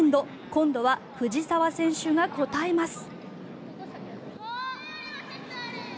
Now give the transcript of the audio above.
今度は藤澤選手が応えます。